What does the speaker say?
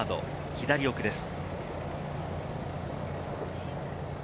左奥です。